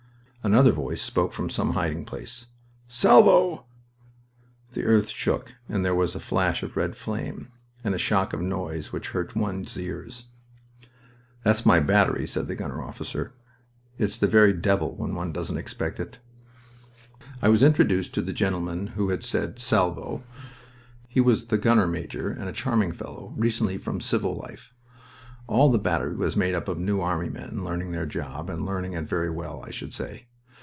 Another voice spoke from some hiding place. "Salvo!" The earth shook and there was a flash of red flame, and a shock of noise which hurt one's ear drums. "That's my battery," said the gunner officer. "It's the very devil when one doesn't expect it." I was introduced to the gentleman who had said "Salvo!" He was the gunner major, and a charming fellow, recently from civil life. All the battery was made up of New Army men learning their job, and learning it very well, I should say.